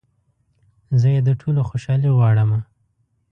زه يې د ټولو خوشحالي غواړمه